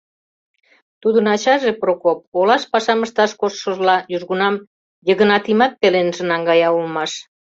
Тудын ачаже, Прокоп, олаш пашам ышташ коштшыжла, южгунам Йыгынатимат пеленже наҥгая улмаш.